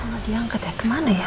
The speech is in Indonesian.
mau diangkat ya kemana ya